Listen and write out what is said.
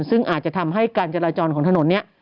ซึ่งอาจจะทำให้การจราจรของถนนนี้